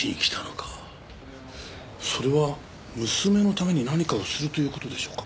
それは娘のために何かをするという事でしょうか？